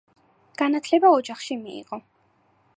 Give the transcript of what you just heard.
განათლება ოჯახში მიიღო.